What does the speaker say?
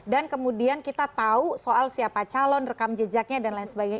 dan kemudian kita tahu soal siapa calon rekam jejaknya dan lain sebagainya